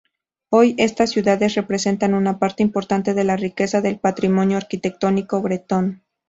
Hoy estas ciudades representan una parte importante de la riqueza del patrimonio arquitectónico bretón.